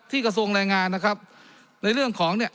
กระทรวงแรงงานนะครับในเรื่องของเนี่ย